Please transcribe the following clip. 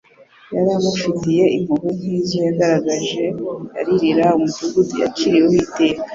Yari amufitiye impuhwe nk'izo yagaragaje aririra umudugudu waciriweho iteka